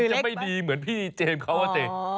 มันจะไม่ดีเหมือนพี่เจมส์เขาว่าเจมส์